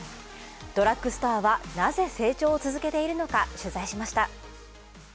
ドラッグストアは、なぜ、成長を続けているのか取材しました。